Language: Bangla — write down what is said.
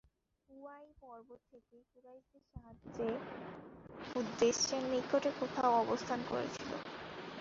হুয়াই পূর্ব থেকেই কুরাইশদের সাহায্যের উদ্দেশে নিকটে কোথাও অবস্থান করেছিল।